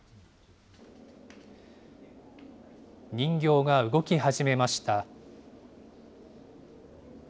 人形が動き始めました。